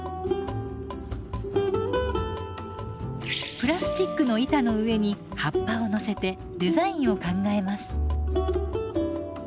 プラスチックの板の上に葉っぱを乗せてデザインを考えます。